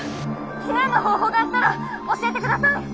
避難の方法があったら教えてください！